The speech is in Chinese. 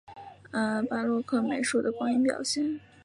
巴洛克美术的光影表现